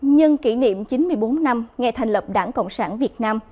nhân kỷ niệm chín mươi bốn năm ngày thành lập đảng cộng sản việt nam